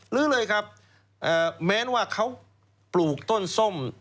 ลื้อเลยครับแม้ว่าเขาปลูกต้นส้ม